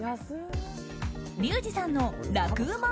リュウジさんの楽ウマ！